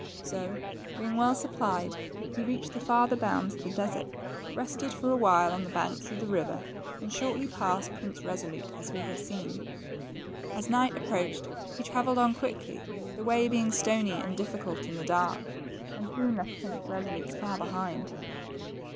So, being well supplied, he reached the farther bounds of the desert, rested for awhile on the banks of the river, and shortly passed Prince Resolute, as we have seen. As night approached, he travelled on quickly, the way being stony and difficult in the dark, and soon left Prince Resolute far behind.